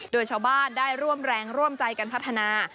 โดยชาวบ้านได้ร่วมแรงร่วมใจกันพัฒนา